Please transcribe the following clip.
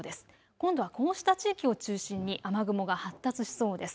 今度はこうした地域を中心に雨雲が発達しそうです。